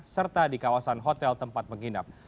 serta di kawasan hotel tempat menginap